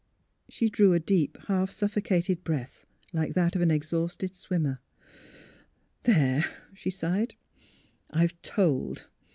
She drew a deep, half suffocated breath, like that of an exhausted swimmer. ''There!" she sighed, "I've told.